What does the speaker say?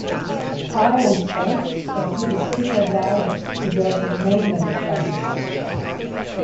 Island skunks exhibit similar diets to those of mainland skunks.